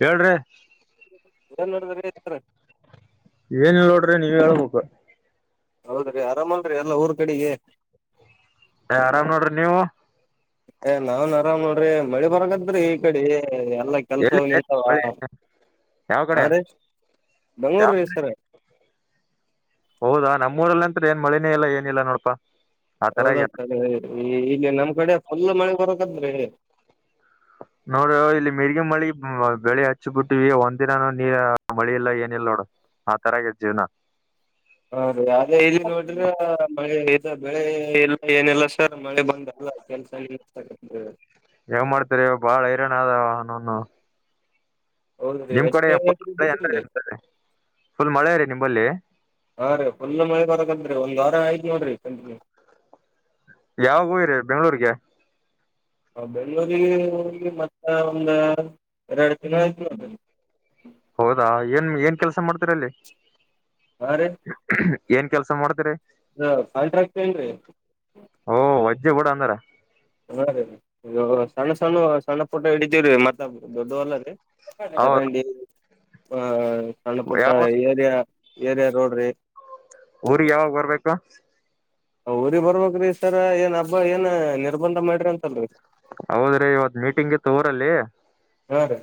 ಹೇಳ್ರಿ ಏನ್ ನೋಡಿದ್ರ ಇತಾರೆ ಏನ್ ನೋಡ್ರಿ ನೀವ್ ಹೇಳ್ಬೇಕು ಹೌದ್ರಿ ಆರಾಮಲ್ರರಿ ಎಲ್ಲ ಊರ್ ಕಡೆಗೆ ಆರಾಮ್ ನೋಡ್ರಿ ನೀವು ಏ ನಾವನ್ ಆರಾಮ್ ನೋಡ್ರಿ ಮಳಿ ಬರಕತ್ೀ ಈ ಕಡೆ ಎಲ್ಲ ಎಲ್ಲಿ ಕೆಲ್ಸಂತಾವ ಮಳಿ ಯಾವ್ ಕಡೆ ಹ ರ ಯಾವ ಮಂಗಳೂರು ಹೆಸರ ಹೌದಾ ನಮ್ಮೂರಲ್ಲ ಅಂ್ರ ಏನ್ ಮಳನೇ ಇಲ್ಲ ಏನಿಲ್ಲ ನೋಡಪಾ ಆ ತರ ಹೌದ ಆಗ್ಯದ ಸರ್ ಈ ಇಲ್ಲಿ ನಮ್ಮ್ ಕಡೆ ಫುಲ್ ಮಳೆ ಬರಕದ್ರೀ ಹ ನೋಡ ಇಲ್ಲಿ ಮಿರ್ಗಿ ಮಳಿ ಬೆಳಿ ಹಚ್ಚ ಬಿಟ್ಟಿವವಿ ಒಂದ್ಿನಾನ ನೀರ ಮಳಿ ಇಲ್ಲಾ ಏನ ಇಿಲ್ಲ ನೋಡ ಆ ತರಗ ಜೀವನ ಹೌದ ಯ ಇಲ್ಲಿ ನೋಡ್ರ ಬೆಳೆ ಎಲ್ಲ ಏನಲ್ಲ ಸರ್ ಮಳೆ ಬಂದಲ್ಲ ಕೆಲ್ಸ ನಿ ಹೆಂಗ ಮಾಡ್ತರಿ ಬಾಳ ಹಿರರಣ ಆದ ನನು ಹೌದ್ರಿ ನಿಮ್ ಎಷ್ಟ ಕಡೆ ಫುಲ್ನ್ ಬಿದ್ರಿ ನಿಮ ಫುಲ್ ಮಳೆ ರೀ ನಿಮ್ಮಲ್ಲಿ ಹಾ ರೀ ಫುಲ್ ಮೈ ಬರಕತ್ರಿ ಒಂದ್ ವಾರ ಆಯ್ತು ನೋಡ್ರಿ ಕಂಟಿನ್ಯೂ ಯಾವಾಗ ಹೋಯರಿ ಬೆಂಗ್ಳೂರ್ಗೆ ಹ ಬೆಂಗಳೂರು ಗೆ ಹೋಗಿ ಮತ್ತ ಒಂದ ಎರಡು ದಿನ ಆಯ್ತು ಹೌದಾ ಏನ್ ಏನ್ ಕೆಲ್ಸ ಮಾಡ್ತೀರಲ್ಲಿ ಹಾ ರೀ ಏನ್ ಕೆಲ್ಸ ಮಾಡ್ತರಿ ಕಾಂಟ್ರಾಕ್ಟ್ ಏನ್ರಿ ಓ ವಜ್ಜೆ ಬಿಡ ಅಂದಾರ ಹಾ ರೀ ಸಣ್ಣ ಸಣ್ಣ ಸಣ್ಣ ಪಫೋಟೋ ಹಡಿತೀವೀ ಮತ್ತ ದೊಡ್ಡವಲ್ಲ ರೀ ಹೌದ ಸರಿ ಆ ಸಣ್ಣಪುಟ್ಟ ಯಾವ ಏರಿಯಾ ಏರಿಯ ರೋಡ್್ರಿ ಊರಿಗೆಿಗೆ ಯಾವಾಗ ಬರ್ಬೇಕು ಅವಊ್ರ ಬರ್ಬ್ರಿ ಸರ್ ಏನ್ ಹಬ್ಬಾ ಏನ್ ನಿರ್ಬಂಧ ಮಾಡ್ರಿ ಅಂತಲ್ರಿ ಹೌದ್ರಿ ಇವತ್ ಮೀಟಿಂಗ್ಗೆ ತೋರಲ್ಲಿ ಹಾ ರೀ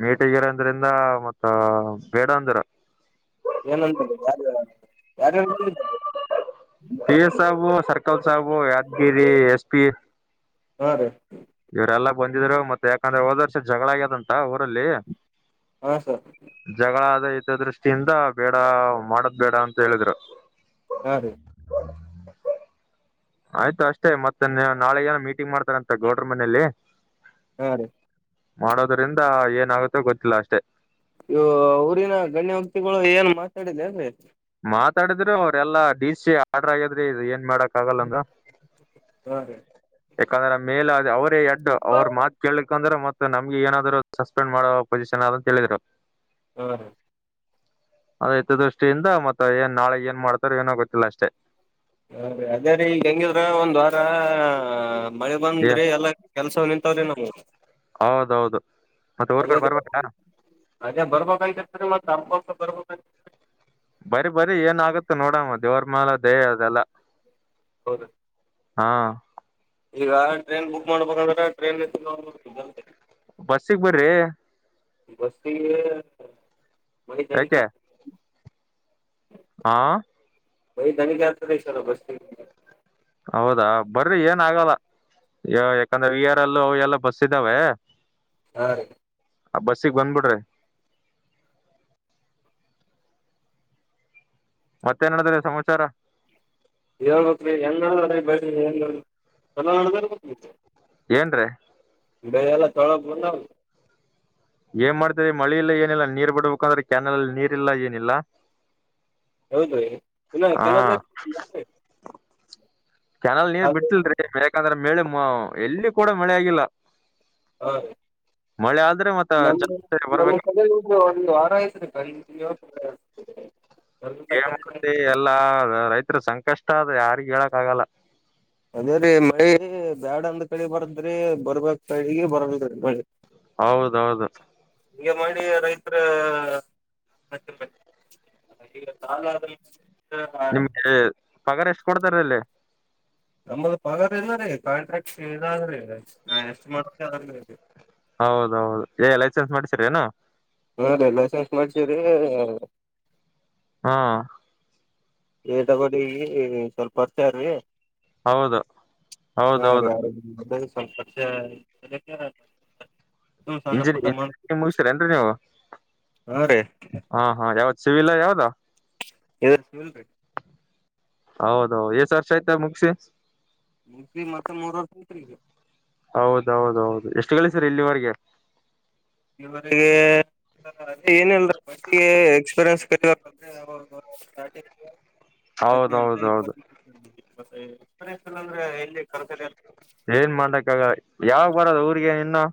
ಮೀಟಗಿರ ಅಂದ್ರಿಂದ ಮತ್ತ ಬೇಡ ಅಂದರ ಏನಂತಲ್ಲ ಯಾರ ಯಾರಿದ್ದಾರೆ ಪ ಎಸ್ ಸಾಬು ಸರ್ಕಲ್ ಸಾಬು ಯಾದಗಿರಿ ಎಸ್ ಪಿ ಹಾ ರೀ ಇವರೆಲ್ಲಾ ಬಂದಿದ್ರು ಮತ್ತೆ ಯಾಕಂದ್ರೆ ಹೋದ ವರ್ಷ ಜಗಳ ಆಗ್ಯದಂತ ಊರಲ್ಲಿ ಹಾ ಸರ್ ಹಿತ ದೃಷ್ಟಿಯಿಂದ ಬೇಡ ಮಾಡದ್ ಬೇಡ ಅಂತ ಹೇಳಿದ್ರು ಹಾ ರೀ ಆಯ್ತು ಅಷ್ಟೇ ಮತ್ತೆ ನಾಳೆ ಏನ ಮೀಟಿಂಗ್ ಮಾಡ್ತಾರಂತ ಗೌಡ್ರ ಮನೆಯಲ್ಲಿ ಹಾ ರೀ ಮಾಡೋದ್ರಿಂದ ಏನಾಗುತ್ತೆ ಗೊತ್ತಿಲ್ಲ ಅಷ್ಟೆ ಇ ಅವಊರಿನ ಗಣ್ಯ ವಕ್ತಿಗಳು ಏನ್ ಮಾತಾಡಿದೆ ಅಂದ್ರೀ ಮಾತಾಡಿದ್ರು ಅವ್ರೆಲ್ಲ ಡಿ ಸಿ ಆಡ್ರರ್ ಆಗಿದ್ರೆ ಇ ಏನ್ ಮಾಡ ಆಗಲ್ಲಂದ ಹಾ ರೀ ಯಾಕಂದ್ರೆ ಮೇಲೆ ಅದ ಅವರೇ ಹೆಡ್ ಅವ್ರ ಮಾತ ಕೇಳಕ್ ಯಂದ್ರೆ ಮತ್ತತ್ ನಮ್ಗೆ ಏನಾದ್ರು ಸಸ್ಪೆಂಡ್ ಮಾಡ ಪೊಸಿಷನ್ ಅಂತಾದ ಹೇಳಿದ್ರರು ಹಾ ರೀ ಅದು ಹಿತದೃಷ್ಟಿಯಿಂದ ಮತ್ತೆ ಏನ್ ನಾಳೆ ಏನ್ ಮಾಡ್ತಾರೋ ಏನೋ ಗೊತ್ತಿಲ್ಲ ಅಷ್ಟೆ ಹಾ ರೀ ಅದೇ ರೀ ಈಗ ಹೆಂಗಿದ್ರ ಒಂದು ವಾರ ಮಳೆ ಬಂದ್ರೆ ಏನ್ ಎಲ್ಲಾ ಕೆಲ್ಸ ನಿಂತವ್ರಿ ನಮವ ಹೌದೌದು ಮತ್ತೆ ಊರ್ ಅದೇ ಕಡೆ ಅದೇ ಬರ್ಬೇಕಾ ಅದೇ ಬರ್ಬೇಕ್ತರ್ತ ಮ ತ ಬರ್ಬ ಹ ಬರಿ ಬರಿ ಏನ ಆಗತ್ತ ನೋಡಮ್ಮ ದೇವರ ಮ್ಯಾಲ್ ದಯೆ ಅದೆಲ್ಲ ಹೌದು ಹಾ ಈಗ ಟ್ರೈನ್ ಬುಕ್ ಮಾಡ್ಬೇಕಂದ್ರೆ ಟ್ರೈನ್ಲ್ [unintelligible] ಬಸ್ಸಗ್ ಬರ್ರಿ ಬಸ್ಸಿಗೆ [inaudible] ಆ ಬ [unintelligible] ಸಲ ಬಸ್ತಿ ಹೌದಾ ಬರ್ರಿ ಏನ್ ಆಗಲ್ಲ ಯ ಯಾಕಂದ್ರೆ ವಿ ಆರ್ ಎಲ್ ಅಲ್ಲೂ ಬಸ್ ಇದ್ದಾವೆ ಹಾ ರೀ ಆ ಬಸ್ಸಕ್ಕೆ ಬಂದ ಬಿಡ್ರಿ ಮತ್ತೆನಡದ್ರ ಸಮಾಚಾರ ಹೇಳಬೇಕ ರೀ ಹೆಂಗ [unintelligible] ಚೊಲೋ ನಡತಾರಿ ಏನ್ ರಿ ಬೆ ಎಲ್ಲ ತಳ ಬಂದವ ಏನ್ ಮಾಡ್ತರಿ ಮಳಿ ಇಲ್ಲ ಏನಿಲ್ಲ ನೀರ್ ಬಿಡ್ಬೇಕಂದ್ರೆ ಕ್ಯಾನಲ್ ಅಲ್ಲಿ ನೀರ ಇಲ್ಲ ಏನಿಲ್ಲ. ಹೌದ ರೀ ಇನ್ನ ಹಾ ಚಾನಲ್ನಗ್ ಕೆನಲ್ ನೀರ್ ಬಿಟ್ಟಲ್ರಿ ಬೇಕಂದ್ರ ಮೇಳ ಎಲ್ಲಿ ಕೂಡ ಮಳೆ ಆಗಿಲ್ಲ ಹಾ ಮಳೆ ಆದ್ರೆ ಮತ್ತ ನಮ್ಮ ಜನ ನಮ್ಮ ಬರ್ಬೇಕ ಕಲ ಒಂದ್ ವಾರ ಆಯ್ತ್ರಿ ಬಂದ್ ಏನ್ ಮಾಡ್ತಿ ಎಲ್ಲಾ ರೈತರು ಸಂಕಷ್ಟ ಅ ಯಾರಿಗ ಹೇಳಕ್ ಆಗಲ್ಲ ಅದೇ ರೀ ಮಳಿ ಬ್ಯಾಡಂದ್ ಕಡೆ ಬರದ್ರಿ ಬರ್ಬೇಕಕ್ ಕಡೆಗ ಬರಲ್ ರಿ ಮಳೆ ಹೌದೌಹೌದು ಹೀಗೆ ಮಾಡಿ ರೈತರ [unintelligible] ಈಗ [unintelligible] ಆದ್ರ ನಿಮ್ಗೆ ಪಗಾರ ಎಷ್ಟು ಕೊಡ್ತಾರಲ್ಲಿ ನಮ್ಮ ಪಗಾರ ಇದ ರೀ ಕಾಂಟ್ರಾಕ್ಷನ ಇದ ರೀ ನಾ ಎಷ್ಟು ಮಾಡ್ತಾ ಅದರ ಮೇಲೆ ಡಿಪೆಂಡ್ ಹೌದೌಹೌದು ಏ ಲೈಸೆನ್ಸ್ ಮಾಡಿಸರ ಏನ ಹಾ ರೀ ಲೈಸೆನ್ಸ್ ಮಾಡ್ಸಿದ್ರಿ ಹಾ ಏ ತಗಡಿಗ ಸ್ವಲ್ಪ ಹೊರ್ತಾರಿ [inaudible] ಹೌದು ಅ ರ ಹೌದೌದು ಯಾರ ಪಕ್ಷ [unintelligible] ಇಂಜಿ [unintelligible] ಮಗ ಸ್ತ್ರೀ ಏನ್ರಿ ನೀವು ಹಾ ರೀ [inaudible] ಹ ಹಾ ಯಾವತ್ ಸಿಿವಿಲಾ ಯಾವುದಾ ಎ್ರ ಸಿವಿಲ್ ರಿ ಹೌದ ಹೌ ಎಷ್ಟ ವರ್ಷ ಆಯ್ತ ಮುಗಿಸಿ ಮುಂತ್ ಮತ್ತೆ ಮೂರವರ್ಂತ್ಗ [unintelligible] ಹೌದೌದೌದು ಎಷ್ಟು ಗಳಿಸಿರ್ ಇಲ್ಲಿವರೆಗೆ ಇ [unintelligible] ವಿಗೆ ಅದೇ ಏನಲ್ರಟ್ಟಿಗೆ ಎಕ್ಸ್ಪೀರಿಯನ್ಸ್, ಇರಬೇಕಂತೆ [unintelligible] ಸ್ಟಾರ್ಟಿಂಗ್ ಹದಿನಂಟ ಇಪ್ಪ ಹೌದೌದೌದು ಇಲ್ಲ ಅಂದ್ರೆ ಎಲ್ಲಿ ಕರ್ಸದೇ ಏನ್ ಮಾಡಕ್ಕಾಗ ಯಾವ ಬರದು ಊಿಗೆ ಇನ್ನು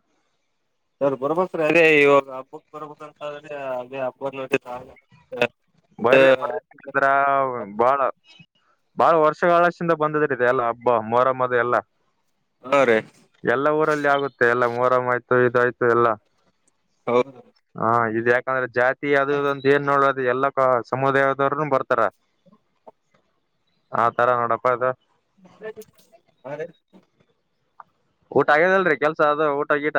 ಅವ ಬರ್ಬ್ರೀ ಅದೇ ಇವಾಗ ಹಬ್ಬಕ್ ಬರ್ಬಂತ್ರೆ ಅದೇ ಹಬ್ಬದ [unintelligible] ನೋಡ ಬರ್ರಿ ಬರ್ರ [unintelligible] ಬಾಳ ಬಾಳ ವರ್ಷ ಹಳಷ್ಟಿಂದ ಬಂದಿದ್ರ ಇದೆ ಎಲ್ಲಾ ಹಬ್ಬ ಮೊರ ಮರಿ ಎಲ್ಲ ಹಾ ರೀ [inaudible] ಎಲ್ಲ ಊರಲ್ಲಿ ಆಗುತ್ತೆ ಎಲ್ಲ ಮೋರಂ್ ಆಯ್ತು ಇದ ಆಯ್ತು ಎಲ್ಲಾ ಹೌದು ಹ ಇದ್ ಯಾಕಂದ್ರೆ ಜಾತಿ ಅದುದ ಒಂದು ಏನ್ ನೋಡೋದು ಎಲ್ಲ ಅ ಸಮುದಾಯದವರುನು ಬರ್ತಾರ [inaudible] ಆ ತರ ನೋಡಪ್ಪ ಅದು [inaudible] ಅದೆ ಊಟ ಆಗ್ಯದಲ್ರರಿ ಕೆಲ್ಸ ಅದು ಊಟ ಗೀಟ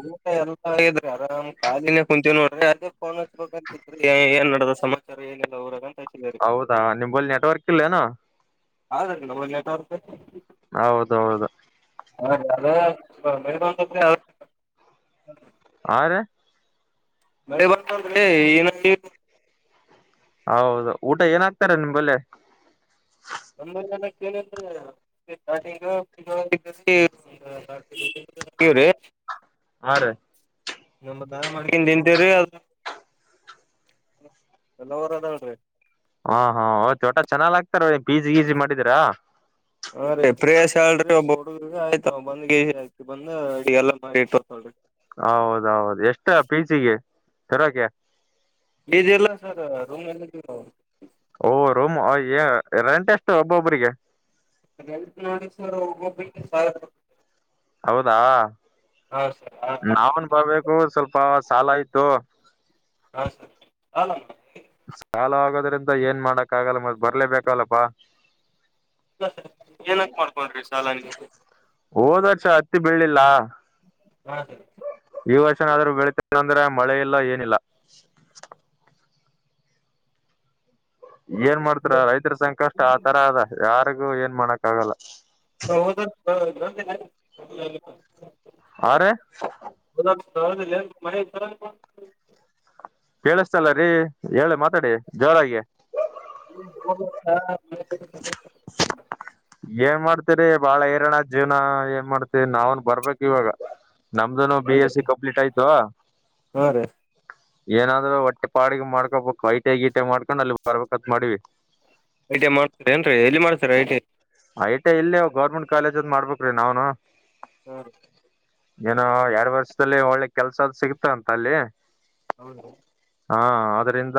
ಊಟ ಎಲ್ಲ ಇದ್ರ ಅರ್ ಖಾಲಿನೇ ಕುಂತೀವಿ ನೋಡ್ರಿ ಅದೇ ಫೋನ್ ಹಚ್ಬೇಕಂತಿದ್ರರಿ ಏನ್ ನಡದ ಸಮಾಜ ಸರ್ ಏನಿಲ್ಲಾ ಊರಾಗ ಹಚ್ಚಿದೇರಿ ಹೌದಾ ನಿಮಲ್ಲಿ ನೆಟ್ವರ್ಕ್ ಇಲ್ಲೇನು ಆಡವಾಗಿಲ್ಲ ನವ ನೆಟ್ವರ್ಕ್ ಹೌದ ಹೌದ ಸರ್ ಅದು ಮಳಿ ಬಂದ ತಕ್ಸನ ಹೋಗಿಬಿಡತದ ಹಾ ರೀ ಮಳಿ ಬಂತಂದ್ರಿ ಏನು ಕೀ ಹೌದು ಊಟ ಏನಾಗಕ್ತಾರ ನಿಮ್ಮಲ್ಲಿ ನಮ್ಮಲ್ಲಿ ಅನ್ನಾಕ ಏನು ಐತ್ರಿ ಚಾರ್ಟ್ ಪಿಜ್ಜಾ ಟಿಟ್ ನಾರ್ತ್ ತಿಂತೀವಿರಿ ಹಾ ರೀ ನಮ್ಮದ ನಾವ ಮಾಡಕೊಂಡ ತಿಂತೀವಿ ರೀ ಎಲ್ಲವರದಾಳ ರೀ ಹಾ ಹಾ ಒಟ್ಟ ಚೆನ್ನಾಗ ಆಗ್ತಾರ ಬೀಜಿ ಗೀಜಿ ಮಾಡಿದ್ರ ಹಾ ರೀ ಪ್ರೇಶ್ ಹೇಳಲ್ ಒಬ್ಬ ಹುಡುಗ ಆಯ್ತ ಬಂದ್ ಆಕಿ ಬಂದ ಅಡಿಗೆ ಎಲ್ಲ ಮಾಡಿ ಇಟ್ಟತಳರಿ ಕರೋಕೆ ಪಿಜಿ ಅಲ್ಲ ಸರ್ ರೂಮ್ ಓ ರೂಮ್ ಓ ರೆಂಟ್ ಎಷ್ಟು ಒಬ್ಬೊಬ್ಬ್ರಿಗೆ ರೆಂಟ್ ನೋಡಿ ಸರ್ ಒಬ್ಬೊಬ್ಬರರಿಗೆ ಬಾಳ್ ಅದಾವ ಹೌದಾ ನಾವನು ಬರ್ಬೇಕು ಸ್ವಲ್ಪ ಸಾಲಾ ಇತ್ತು ಹಾ ಸರ್ ಆಲ್ಲಾ ಆದರಿಂದ ಏನ್ ಮಾಡಕ್ ಆಗಲ್ಲ ಮತ್ತ ಬರ್ಲೇಬೇಕಲ್ಲಪ್ಪಾ ಲ್ಲ ಏನಕ್ ಮಾಡ್ಕೊಂಡ್ರಿ ಸಾಲ ನೀವು ಹೋದ ವರ್ಷ ಹತ್ತಿ ಬೆಳೀಲಿಲ್ಲ ಹಾ ಸರಿ ಟ ಕ್ಸ್ ಅದರ ವೆಟ್ ಇತ್ತ ಅಂದ್ರ ಮಳೆ ಇಲ್ಲ ಏನಿಲ್ಲ ಏನ ಮಾಡ್ತೀರಾ ರೈತರ ಸಂಕಷ್ಟ ಆತರ ಅದ ಯಾರಿಗೂ ಏನ ಮಾಡಕ ಆಗಲ್ಲ. ಹೌದ ಅಂತ ಹೆಂಗ ಆಗೆತ ಟಕ್ ಹಾ ರೀ ಟಕ್ ಹು ಹೌದ ಲೆ ಮಳಿ ಬರಂಗ ಬಂತ್ ಕೇಳಿಸ್ತಿಲ್ಲರೀ ಹೇಳಿ ಮಾತಾಡಿ ಜೋರಾಗಿ ಗ್ಗೋ ಗೋ ಗೋ ಹಾ ಬೇಕತಾ ಪೆಟ್ರೋಲ್ ಕಾಲಿ ಏನ ಮಾಡ್ತರಿ ಬಾಳ ಹೈರಾನ್ ಜೀವನ ಏನ ಮಾಡ್ತರಿ ನಾವನ ಬರ್ಬೇಕಕ್ ಇವಾಗ. ನಮ್ದುನು ಬಿ ಹೌದ್ರಿ ಎಸ್ ಸಿ ಕಂಪ್ಲೀಟ್ ಆಯ್ತು ಹಾ ರೀ ಏನಾದ್ರು ಹೊಟ್ಟೆ ಪಾಡಿಗೆ ಮಾಡ್ಕೊಬೇಕು ಐ ಟಿ ಐ ಗಿ ಟೈ ಮಾಡ್ಕೊಂಡ್ ಅಲ್ಲಿ ಬರ್ಬೇಕತ ಮಾಡೆವಿ. ಐಟಿ ಐ ಮಾದತ್ತಿರೆಂಡ್ರಿ ಎಲ್ಲಿ ಮಾಡ್ತ ಐ ಟಿ ಐ ಐಟಿಐ ಇಲ್ಲಿ ಗೌರ್ಮೆಂಟ್ ಕಾಲೇಜ ಅಲ್ಲಿ ಮಾಡ್ಬೇಕ್ರೀ ನಾವನು ಹು ರೀ ಏನೋ ಎರಡ್ ವರ್ಷದಲ್ಲಿ ಒಳ್ಳೆ ಕೆಲ್ಸ ಸಿಗ್ತ ಅಂತ ಅಲ್ಲಿ ಹೌದ ದ್ರಿ ಹಾ ಆದ್ರಂದ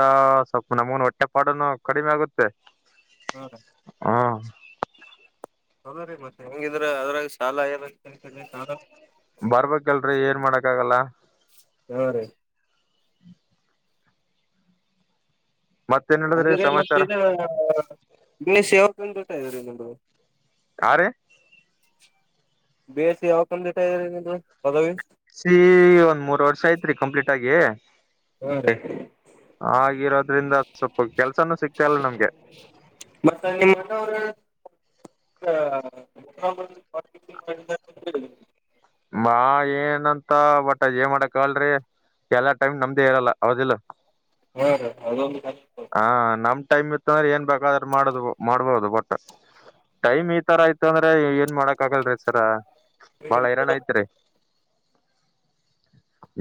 ಸ್ವಲ್ಪ ನಮಗುನು ಹೊಟ್ಟೆ ಪಾಡನು ಕಡಿಮೆ ಆಗುತ್ತೆ. ಹೌದ್ರಿ ಹಾ ರೀ ಟಕ್ ಹು ಹೌದ್ರಿ ಮತ್ತೆ ಹೆಂಗಿದ್ರ ಅದ್ರಾಗ ಸಾಲ ಎಲ್ಲಾ ಕೇಳಕೊಂಡೇನ್ ಸಾಲಾ ಬರ್ಬೇಕಲ್ಲರಿ ಏನ ಮಾಡಕ ಆಗಲ್ಲ ಹಾ ರೀ ಮತ್ತೇನ್ ಅದ ಹೇಳಿದ್ರಿ ರೀ ಮತ್ತ ಸಮಾಚಾರ ಏನ ನಿ ಸೇವಾ ತಂದ ದುಡ್ಡ ಇದ ಹಾರಿ ಬೇಸ ಯಾವಾಗ ತಂದೆತ ಇದ ನೀದು ಪದವಿ ಸಿ ಒಂದ್ ಮೂರ್ ವರ್ಷ ಆಯತ್ರಿ ಕಂಪ್ಲೀಟ್ ಆಗಿ ಹಾ ರೀ ಆಗಿರೋದ್ರಿಂದ ಸ್ವಲ್ಪ ಕೆಲ್ಸಾನೂ ಸಿಗ್ತ ಇಲ್ಲ ನಮ್ಮಗೆ ಮತ್ತ ನಿಮ್ಮ ಅವ್ರ ಮುಖ ಮಾಡ ಮಾ ಏನಂತ ಬಟ್ಟ ಜೇ ಮಾಡಕ್ಲ್ರಿ ಎಲ್ಲ ಟೈಮ್ ನಮ್ದೇ ಇರಲ್ಲ ಅವದಿಲ್ಲ ಹ್ಮ ಹ ಅ ಹಾ ನಮ್ ಟೈಮ್ ಇತ್ತ ಅಂದ್ರೆ ಏನ್ ಬೇಕಾದ್ರ ಮಾಡುದು ಮಾಡ್ಬೋದು ಬಟ್ಟ ಟೈಮ್ ಈ ತರ ಆಯತ ಅಂದ್ರೆ ಏನ್ ಮಾಡಕ್ ಆಗಲ್ರೀ ರ ಬಾಳ ಹೈರಾಣ ಐತ್ರಿ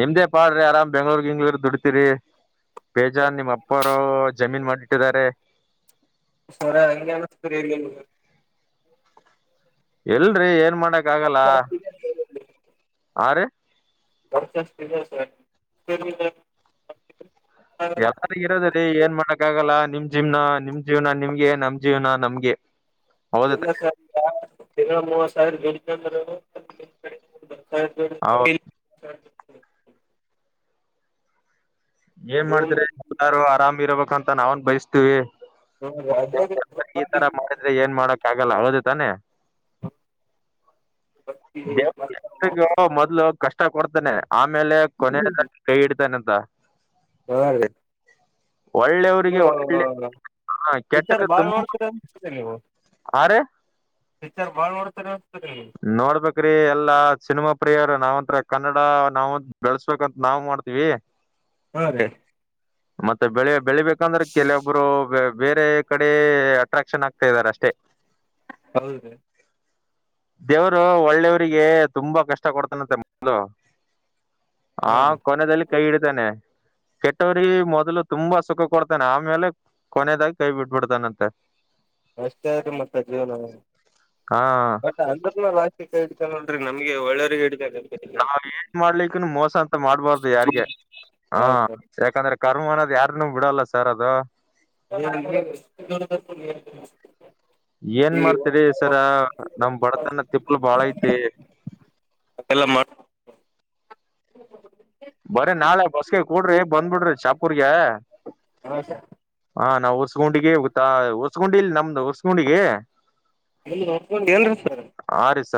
ನಿಮ್ದೇ ಪಾಡ್ರಿ ಆರಾಮ್ ಬೆಂಗ್ಳೂರ್ ಹಿಂಗ್ಳರ್ ದುಡ್ತಿರಿ ಬೇಜಾನ್ ನಿಮ್ ಅಪ್ಪ ಜಮೀನ್ ಮಾಡಿಟ್ಟಿದ್ದಾರೆ ಸರ ಹ ಎಲ್ರಿ ಏನ್ ಮಾಡಕ್ ಆಗಲ್ಲ ಆ ರೀ ಬರ್ಸ್ ಎಲ್ಲರಿ ಇರೋದ ರರಿ ಏನ್ ಮಾಡಕ್ ಆಗಲ್ಲ ನಿಮ ನಿ್ ಜೀವ್ನ ನಿಮ್ ಜೀವನ ನಿಮ್ಗೆ ನಮ್ ಜೀವನ ನಮ್ಗೆ ಹೌದ ಎ ಸಾವಿರ ತಿಂಗಳ ಮೂವತ್ತು ಸಾವಿರಂದ ಸ ಹೌದು ಏನ್ ರೂಮ್ ಮಾಡ್ತ್ರರಿ ಎಲ್ಲಾರು ಆರಾಮ್ ಇರಬೇಕಂತ ನಾವನ್ ಬಯಸ್ತೀವಿ ಅದೇ ರೀ ರೂಮ್ ಈ ತರ ಬಾಡಿಗಿ ಮಾಡಿದ್ರೆ ಏನ್ ಮಾಡಕ್ ಆಗಲ್ಲ ಅವದು ತಾನೇ ಹ ಗೂ ಮೊದ್ಲು ಕಷ್ಟ ಕೊಡ್ತಾನೆ ಆಮೇಲೆ ಕೊನ ಕೈ ಇಡ್ತಾನೆ ಅಂತ ದ ಹಾ ರೀ ಒಳ್ಳೆಯವರಿಗೆ ಒಳ್ಳೆ ಹ ಪಿಕ್ಚರ್ ಕೆಟ್ಟಕ್ಕೆ ಬಾಳ್ ತುಂಬಾ ನೋಡ್ತೀರ ಆ ರ ಟೀಚರ್ ಬಾಳ್ ನೋಡ್ತಾರೆ ನೋಡ್ಬೇಕೇ್ರಿ ಎಲ್ಲಾ ಸಿನಿಮಾ ಪ್ರಿಯರ ನಾವಂತ ಕನ್ನಡ ನಾವವು ಬೆಳಸ್ಬೇಕಂತ ನಾವವು ಮಾಡ್ತೀವಿ ಹಾ ರೀ ಮತ್ತೆ ಬೆಳಿ ಬೆಳಿಬೇಕಂದ್ರೆ ಕೆಲವೊಬ್ರು ಬೇರೆ ಕಡೆ ಅಟ್ರಾಕ್ಷನ್ ಆಗ್ತಾ ಇದಾರೆ ಅಷ್ಟೇ ಹೌದು ದೇವರು ಒಳ್ಳೆಯವರಿಗೆ ತುಂಬಾ ಕಷ್ಟ ಕೊಡ್ತನಂತೆ ಹಾ ಕೊನೆದಲ್ಲಿ ಕೈ ಹಿಡತಾನೆ ಕೆಟ್ಟವರಿಗೆ ಮೊದ್ಲು ತುಂಬಾ ಸುಖ ಕೊಡ್ತಾನೆ ಆಮೇಲೆ ಕೊನೆದಾಗಿ ಕೈ ಬಿಟ್ಬಿಡ್ತಾನಂತೆ ಅಷ್ಟೇ ಆೆ ಮತ್ತೆ ಜೀವನ ಹಾ ಬಟ್ ಅ ಲಾಸ್ ಕಡ್ ನೋ್ರರಿ ನಮಗೆ ಒಳ್ಳರಿಗೆ ನಾವ್ ಏನ್ ಮಾಡ್ಲಿಕ್ಕ ಮೋಸ ಅಂತ ಮಾಡ್ಬಾರ್ದು ಯಾರ್ಿಗೆ ಹಾ ಯಾಕಂದ್ರೆ ಕರ್ಮ ಅನ್ನೋದ್ ಯಾರನ್ನುೂ ಬಿಡಲ್ಲ ಸರ್ ಅದು ಏನ್ ಮಾಡ್ತರಿ ಸರ ನಮ ಬಡತನ ತಿಪ್ಪಲು ಬಾಳ ಐತಿ ಅದೆಲ್ಲ ಮಾಡ ಬರ ನಾಳೆ ಬಸ್ಗೆ ಕೂಡ್ರಿ ಬಂದ್ಬಿಡ್ರಿ ಚಾಪೂರ್ಗೆ ಹಾ ಸ ಹಾ ನಾ್ ಒರ್ಸ್ಗುಂಡಿಗೆಾ ಹೊರ್ಗುಂಡಿ ಇಲ್ ನಮ್ದ್ ಒರ್ಸ್ುಂಡಿಗೆ ಅಲ್ಲ ಒಕೊಂಡ್ ಎಲ್ರಿೀ ಸರ್ ರೀ ಸ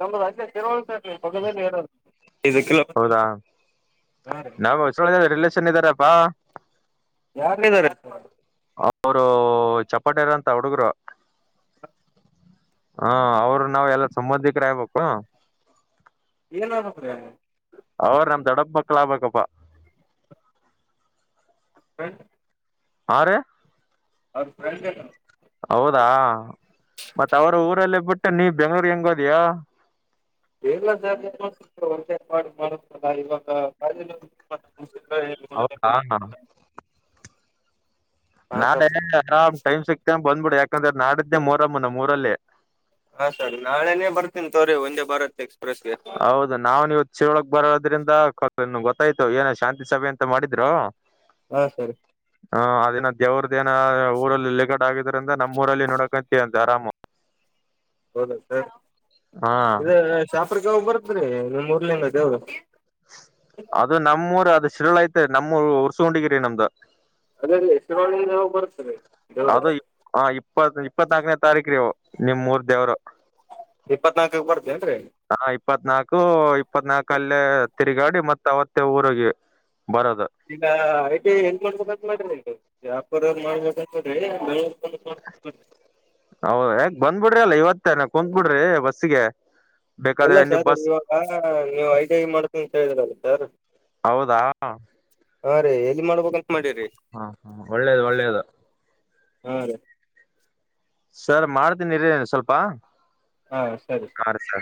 ನಮ್ದ ಅದ ತಿರುವವಳಂತರಿ ಪೊಗದ ಹೇಳ ಹೌದಾ ಹಾ ರೀ ನಾ ರಿಲೇಷನ್ ಇದ್ದಾರಪ್ಪಾ ಯಾರ್ನರ್ತ ಅವರು ಚಪ್ಪಾಟಿಯಾರ ಅಂತ ಹುಡುಗರು ಹಾ ಅವರು ನಾವ ಎಲ್ಲ ಸಂಬಂಧಿಕರಗ್ಬೇಕು ಏನ್ತ್ರ ಅವ್ರ ನಮ್ ದಡಪ್ಪ ಮಕ್ಳಾಗಗ್ಬೇಕಪ್ಪ ಹ ಹ ಅವೌದ ್ರಂಡ್ ಹೌದಾ ಮತ್ತ ಅವ್ರ ಊರಲ್ಲೇ ಬಿಟ್ಟು ನೀವ ಬೆಂಗ್ಳೂರ್ ಹೆಂಗೋದಯ ಬೇಲ ಜ ಹೊಟೆ ಮಾಡಿ ಮಾಡಲ್ಲ ಇವಾಗ ತುಂಬ ಹೌದ ಹಾ ಹ ಹಾ ನಾಡ ಸರ್ ಆರಾಮ್ ಟೈಮ್ ಸಿಗ್ತೇ ಬಂದ್ಬಿಡು ಯಾಕಂದ್ರೆ ನಾಡಿದ್ದೆ ಮೂರಮ್ಮನ ಮೂರಲ್ಲಿೇ ಹಾ ಸರಿ ನಾಳೆನೇ ಬರ್ತೀನಿ ತೋ್ರಿ ಒಂದೇ ಬರತ್ ಹೌದು ನಾವವು ನೀವು ಚಿರ ಒಳಗ್ ಬರೋದ್ರಿಂದ ಗೊತ್ತ ಗ ಆಯ್ತು ಏನ ಶಾಂತಿ ಸಭೆ ಅಂತ ಮಾಡಿದ್ರು ಹಾ ಸರಿ ಹ ಅದೇನೋ ದೇವ್ರದ್ ಏನೋ ಊರಲ್ಲಿ ಲೆಗ ಆಗಿದ್ರಿಂದ ನಮ್ಮ್ ಊರಲ್ಲಿ ನೋಡಕಂತೀವಿ ಅಂತ್ ಆರಾಮು. ಹೌದ ಸರ್ ಹಾ ಇದ್ ಶಾಪರ್ಕ್ಕೆ ಯಾವಗ್ ಬರ್ತ್ರೀ ನಿಮ್ಮ್ ಊರ್ಲಿಂದ ದೇವರು ಅದು ನಮ್ಮೂರ್ ಅದು ಶಿರಳ ತೆ ನಮ್ಮೂ ಉರ್ಸಕೊಂಡಿಗಿರಿ ನಮ್ದ ಅದೇಲ್ಲಿ ಶರವಣಿ ನಾವ ಬರ್ತ್ತದೆ ದೇವರದ ಇಪ್ಪತ್ನಾಾಕನೇ ತಾರೀಕ ರವು ನಿಮ್ ಮೂರ್ ದೇವ್ರು ಇಪ್ಪತ್ನಾಲ್ಕ ಬರ್ ಹಾ ಇಪ್ಪತ್ನಾಲ್ಕು ಇಪ್ಪತ್ನಾಕ ಅಲ್ಲೇ ತಿರುಗಾಡಿ ಮತ್ ಅವತ್ತೆ ಊರರಿಗೆ ಇಲ್ಲ ಐಟ ಹೆಂಗ ಮಾಡ್ಬೇಕಂತ ಮಾಡ್ರಿ ಇ ಯ್ಯಾಪಾರ ಮಾಡ್ಬೇಕಂತ ಮಾಡ್ರಿ ನ ಹೌದ ಯಾಕ ಬಂದ್ಬಿಡ್ರಿ ಅಲ್ಲ ಇವತ್ತೇನ ಕುತ್ ಬಿಿಡ್ರಿ ಬಸ್ಸಗೆ ಇಲ್ಲ ಸರ್ ಇವಾಗ ನೀವು ಐ ಟಿ ಐ ಮಾಡಕ ಅಂತ ಹೇಳಿದಿರಲ್ಲ ಸರ್ ತ್ತ ಹಾ ರೀ ಎಲ್ಲಿ ಮಾಡ್ಬಬೇಕ ಹಾ ಹ ಒಳ್ಳೇದ್ ಒಳ್ಳೇದು ಹಾ ರೀ ಸರ್ ಮಾಡ್ತೀನಿರಿ ಸ್ವಲ್ಪ ಹಾ ಸರಿ ಹಾ ಸರಿ. ರೀ ಸರ್